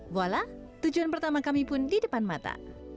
voala tujuan pertama kami pun di depan mata